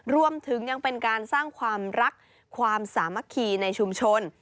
รวมถึงยังเป็นการสร้างความรักความสามัคคีในชุมชน